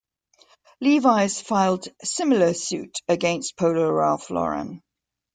Levi's filed similar suit against Polo Ralph Lauren.